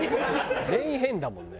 全員変だもんね。